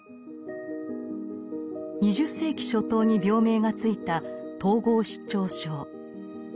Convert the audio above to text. ２０世紀初頭に病名が付いた統合失調症。